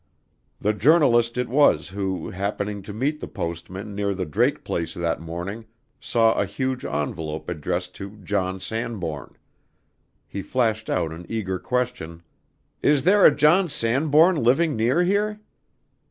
The journalist it was who, happening to meet the postman near the Drake place that morning, saw a huge envelope addressed to "John Sanbourne." He flashed out an eager question: "Is there a John Sanbourne living near here?"